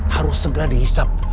harus segera dihisap